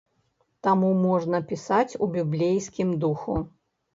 Таму можна пісаць у біблейскім духу.